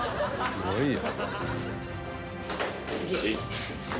すごいよ」